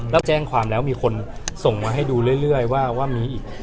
แล้วแจ้งความแล้วมีคนส่งมาให้ดูเรื่อยว่ามีอีก